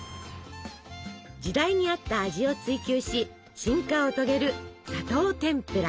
時代に合った味を追求し進化を遂げる砂糖てんぷら。